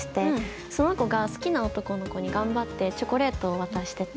その子が好きな男の子に頑張ってチョコレートを渡してて。